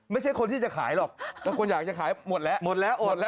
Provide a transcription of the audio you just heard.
ไม่ใช่คนที่จะขายหรอกแต่คนอยากจะขายหมดแล้วหมดแล้วอดแล้ว